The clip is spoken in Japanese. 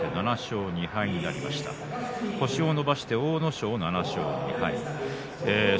星を伸ばして阿武咲が７勝２敗です。